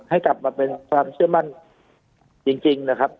ให้กลับมาเป็นความเชื่อมั่นจริงนะครับ